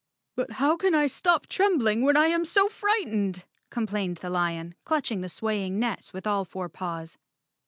"But how can I stop trembling when I am so fright¬ ened," complained the lion, clutching the swaying net with all four paws.